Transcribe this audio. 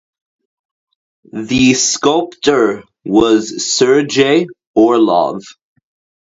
The sculptor was Sergei Orlov.